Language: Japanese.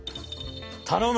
頼む。